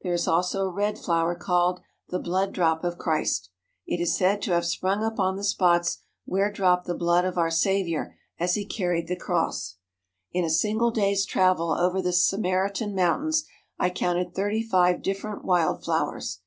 There is also a red flower called "the blood drop of Christ.' ' It is said to have sprung up on the spots where dropped the blood of our Saviour as He carried the cross. In a single day's travel over the Samaritan mountains I counted thirty five dif ferent wild flowers.